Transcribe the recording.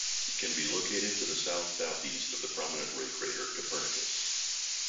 It can be located to the south-southeast of the prominent ray crater Copernicus.